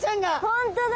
本当だ。